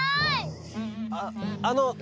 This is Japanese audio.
あっあの